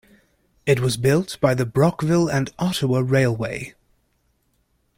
It was built by the Brockville and Ottawa Railway.